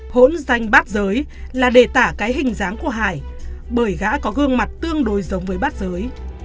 hỗn danh bát giới là đề tả cái hình dáng của hải bởi gã có gương mặt tương đối giống với bát giới